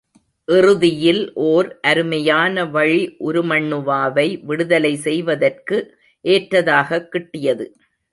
இறுதியில் ஓர் அருமையான வழி உருமண்ணுவாவை விடுதலை செய்வதற்கு ஏற்றதாகக் கிட்டியது.